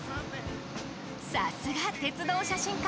さすが鉄道写真家。